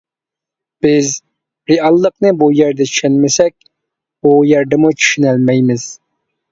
بىز رېئاللىقنى بۇ يەردە چۈشەنمىسەك، ئۇ يەردىمۇ چۈشىنەلمەيمىز.